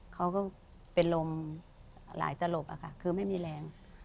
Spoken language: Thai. เขาก็เป็นลมหลายตลบคือไม่มีแรง